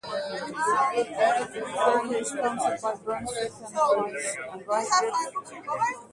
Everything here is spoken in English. Shafer is sponsored by Brunswick and Vise Grips.